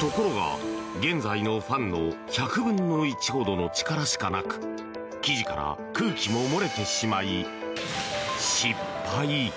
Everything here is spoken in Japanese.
ところが、現在のファンの１００分の１ほどの力しかなく生地から空気も漏れてしまい失敗。